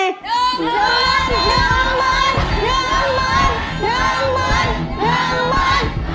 น้ำมน